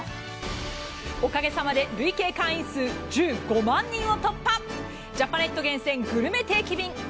おかげさまで累計会員数１５万人を突破、ジャパネット厳選グルメ定期便。